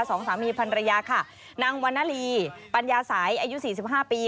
๒สามีภรรยาค่ะนางวันนาลีปัญญาสายอายุ๔๕ปี